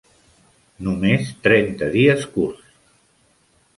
Només trenta dies curts.